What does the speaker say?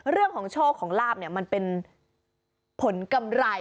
เรื่องของโชคของลาบเนี่ยมันเป็นผลกำไร